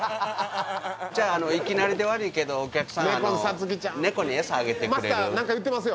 じゃあいきなりで悪いけどお客さん猫に餌あげてくれる？